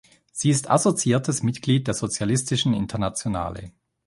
Sie ist assoziiertes Mitglied der Sozialistischen Internationale.